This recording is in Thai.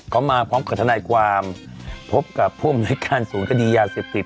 เขามาพร้อมกับทนายความพบกับผู้อำนวยการศูนย์คดียาเสพติด